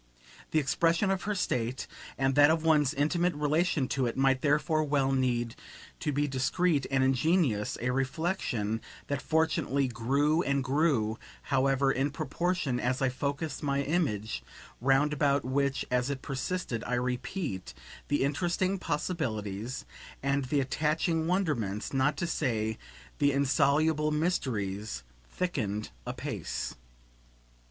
The expression of her state and that of one's intimate relation to it might therefore well need to be discreet and ingenious; a reflexion that fortunately grew and grew, however, in proportion as I focussed my image roundabout which, as it persisted, I repeat, the interesting possibilities and the attaching wonderments, not to say the insoluble mysteries, thickened apace.